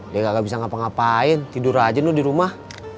dia gak bisa ngapa ngapain tidur aja lo dirumah